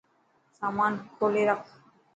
سامان کولي رک.